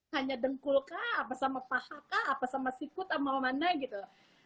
hanya dengkul kah apa sama paha kah apa sama sikut sama mana gitu